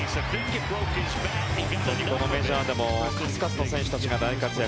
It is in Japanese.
メジャーでも数々の選手たちが大活躍。